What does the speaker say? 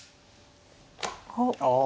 おっ。